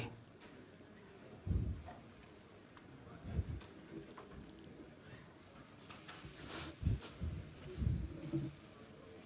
dan memeriksa dari dkpp